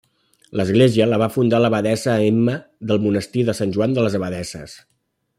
L'església la va fundar l'abadessa Emma del monestir de Sant Joan de les Abadesses.